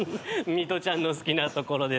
ミトちゃんの好きなところですか。